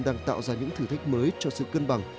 đang tạo ra những thử thách mới cho sự cân bằng